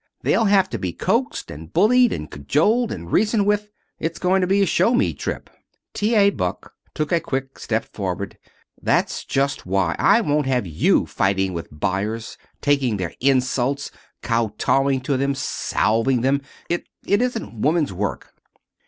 They'll have to be coaxed and bullied and cajoled, and reasoned with. It's going to be a 'show me' trip." T. A. Buck took a quick step forward. "That's just why. I won't have you fighting with buyers, taking their insults, kowtowing to them, salving them. It it isn't woman's work."